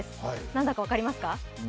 何だか分かりますか？